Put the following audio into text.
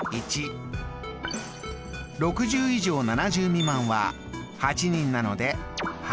６０以上７０未満は８人なので８。